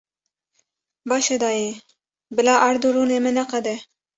Baş e dayê, bila ard û rûnê me neqede.